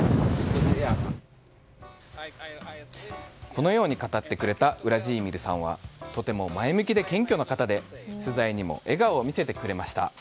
このように語ってくれたウラジーミルさんはとても前向きで謙虚な方で取材にも笑顔を見せてくれました。